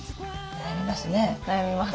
悩みます。